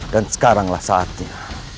dan sekarang lah saatnya